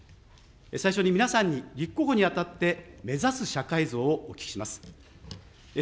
最初に皆さんに、立候補にあたって目指す社会像をお聞きします。